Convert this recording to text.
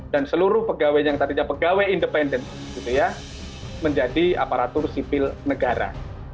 dan seluruh pegawai yang tadinya pegawai independen menjadi aparatur sipil negara